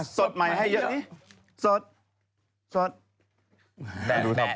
สดใหม่ให้เยอะนี่สดสด